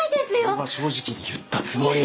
俺は正直に言ったつもり。